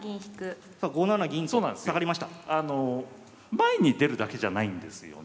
前に出るだけじゃないんですよね